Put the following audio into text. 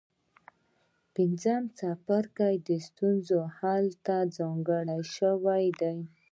پنځم څپرکی د ستونزو حل ته ځانګړی شوی دی.